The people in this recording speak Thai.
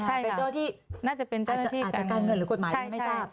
ใช่ค่ะเป็นเจ้าที่น่าจะเป็นเจ้าหน้าที่กันอาจจะการเงินหรือกฎหมายไม่ทราบ